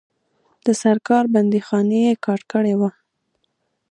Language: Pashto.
د سرکار بندیخانې یې کاټ کړي وه.